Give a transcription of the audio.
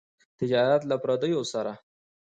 تجارت له پرديو سره.